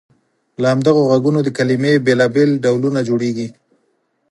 له همدغو غږونو د کلمې بېلابېل ډولونه جوړیږي.